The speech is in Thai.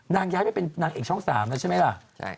นางย้ายไปเป็นนางเอกช่องสามนะใช่ไหมล่ะ